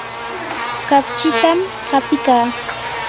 kapchitam qapikaa.